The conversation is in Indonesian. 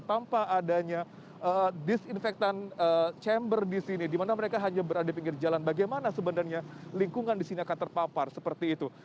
tanpa adanya disinfektan chamber di sini di mana mereka hanya berada di pinggir jalan bagaimana sebenarnya lingkungan di sini akan terpapar seperti itu